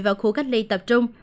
vào khu cách ly tập trung